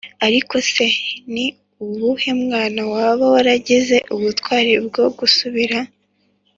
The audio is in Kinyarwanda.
ariko se ni uwuhe mwana waba waragize ubutwari bwo gusabira